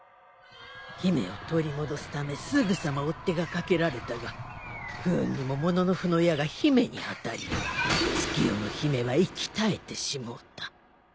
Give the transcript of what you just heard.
姫を取り戻すためすぐさま追っ手がかけられたが不運にももののふの矢が姫に当たり月夜の姫は息絶えてしもうた